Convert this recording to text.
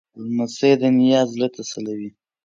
لمسی د نیا زړه تسلوي.